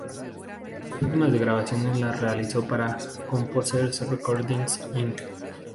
Sus últimas grabaciones las realizó para Composers Recordings, Inc.